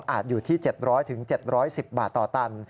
อยู่ที่๗๐๐๗๑๐บาทต่อตัน